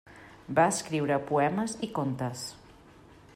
Va escriure poemes i contes.